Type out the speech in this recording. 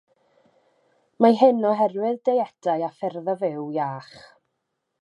Mae hyn oherwydd deietau a ffyrdd o fyw iach.